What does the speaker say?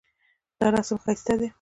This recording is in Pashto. دا رسم ښایسته دی